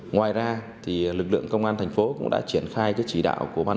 ngoài ra lực lượng công an thành phố cũng đã triển khai cái chỉ đạo của ban